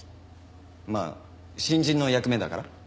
まあ新人の役目だから。